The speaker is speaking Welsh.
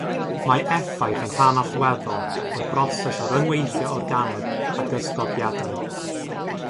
Mae effaith yn rhan allweddol o'r broses o ryngweithio organeb ag ysgogiadau.